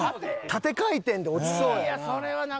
縦回転で落ちそうやな。